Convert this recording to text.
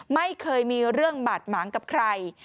ไม่เคยมีเรื่องบาดหมางกับใคร